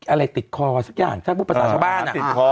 อะไรติดคอสักอย่างถ้าพูดภาษาชาวบ้าน